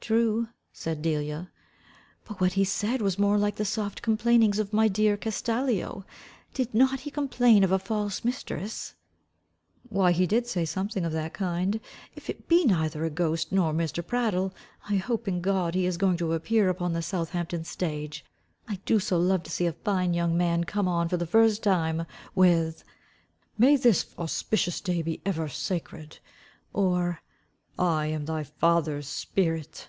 "True," said Delia, "but what he said was more like the soft complainings of my dear Castalio. Did not he complain of a false mistress?" "Why he did say something of that kind. If it be neither a ghost nor Mr. Prattle. I hope in God he is going to appear upon the Southampton stage. I do so love to see a fine young man come on for the first time with May this alspishus day be ever sacred! Or, _I am thy father's spirit.